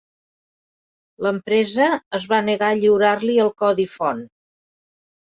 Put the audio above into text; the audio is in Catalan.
L'empresa es va negar a lliurar-li el codi font.